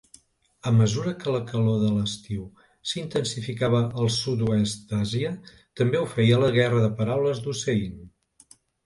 A mesura que la calor de l'estiu s'intensificava al sud-oest d'Àsia, també ho feia la guerra de paraules d'Hussein.